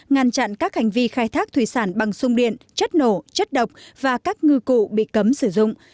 ngăn chặn các hành vi khai thác thủy sản bằng sung điện chất nổ chất độc và các ngư cụ bị cấm sử dụng